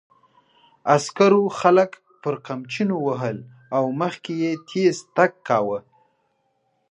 عسکرو خلک پر قمچینو وهل او مخکې یې تېز تګ کاوه.